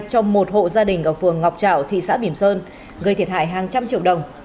trong một hộ gia đình ở phường ngọc trảo thị xã biển sơn gây thiệt hại hàng trăm triệu đồng